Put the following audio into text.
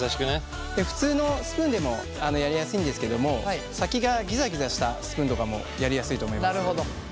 普通のスプーンでもやりやすいんですけども先がぎざぎざしたスプーンとかもやりやすいと思います。